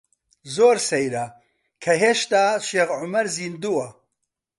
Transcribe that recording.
زۆر سەیرە کە هێشتا شێخ عومەر زیندووە.